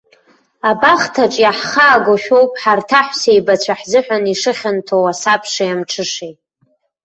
Абахҭаҿ иаҳхаагошәоуп ҳарҭ аҳәсеибацәа ҳзыҳәан ишыхьанҭоу асабшеи амҽышеи.